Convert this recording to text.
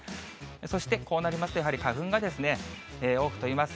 そしてこうなりますと、やはり花粉がですね、多く飛びます。